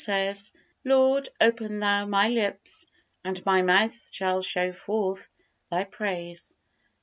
says: "Lord, open Thou my lips, and my mouth shall show forth Thy praise."